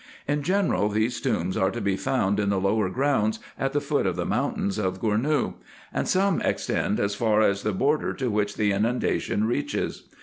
In general, these tombs are to be found in the lower grounds, at the foot of the mountains of Gournou ; and some extend as far as the border to which the inundation reaches.